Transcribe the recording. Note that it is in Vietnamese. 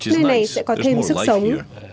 nơi này sẽ có thêm sức sống